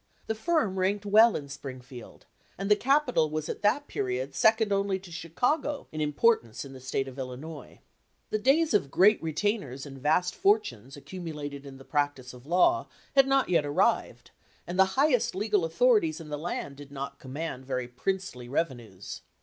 The firm ranked well in Springfield, and the capital was at that period second only to Chi cago in importance in the State of Illinois. The 85 LINCOLN THE LAWYER days of great retainers and vast fortunes accumulated in the practice of the law had not yet arrived, and the highest legal authorities in the land did not command very princely rev enues.